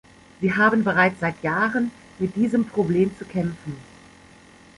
Sie haben bereits seit Jahren mit diesem Problem zu kämpfen.